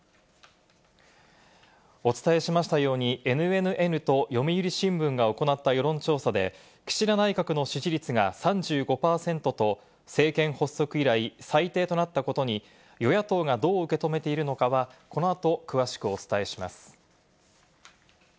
お伝えしましたようにＮＮＮと読売新聞が行った世論調査で、岸田内閣の支持率が３５％と、政権発足以来、最低となったことに与野党がどう受け止めているのかは、この後、詳しくお伝えします。